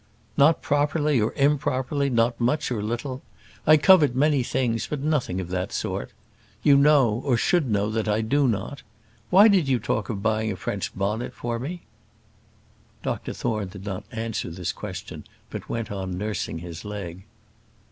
"Not properly, or improperly; not much, or little. I covet many things; but nothing of that sort. You know, or should know, that I do not. Why did you talk of buying a French bonnet for me?" Dr Thorne did not answer this question, but went on nursing his leg.